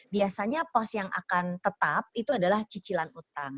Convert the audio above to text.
biasanya pos yang akan tetap itu adalah cicilan utang